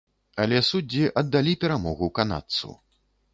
Але суддзі аддалі перамогу канадцу.